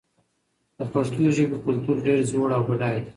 د پښتو ژبې کلتور ډېر زوړ او بډای دی.